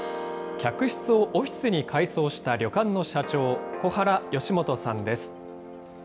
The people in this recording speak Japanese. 客室をオフィスに改装した旅館の社長、小原嘉元さんです。